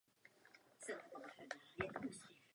Tyto vztahy jsou jazykově nezávislé.